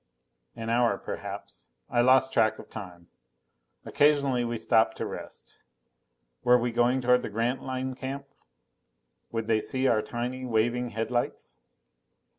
An hour perhaps. I lost track of time. Occasionally we stopped to rest. Were we going toward the Grantline camp? Would they see our tiny waving headlights?